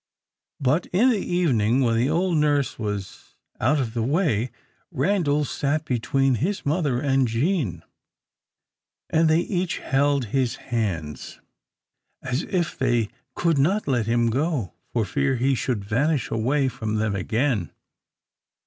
But in the evening, when the old nurse was out of the way, Randal sat between his mother and Jean, and they each held his hands, as if they could not let him go, for fear he should vanish away from them again.